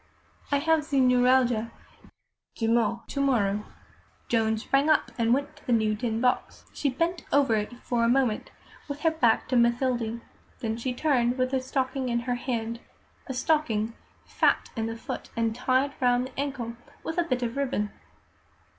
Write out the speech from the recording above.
"I have ze neuralgia demain to morrow." Joan sprang up and went to the new tin box. She bent over it for a moment, with her back to Mathilde; then she turned, with a stocking in her hand a stocking fat in the foot, and tied round the ankle with a bit of ribbon.